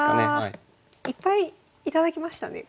いやいっぱい頂きましたねこれ。